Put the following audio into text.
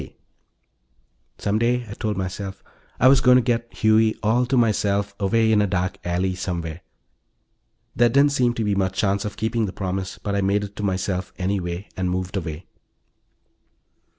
K." Some day, I told myself, I was going to get Huey all to myself, away in a dark alley somewhere. There didn't seem to be much chance of keeping the promise, but I made it to myself anyway, and moved away.